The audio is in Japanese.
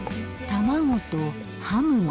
卵とハムも。